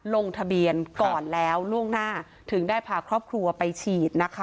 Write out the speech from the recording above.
ลงทะเบียนก่อนแล้วล่วงหน้าถึงได้พาครอบครัวไปฉีดนะคะ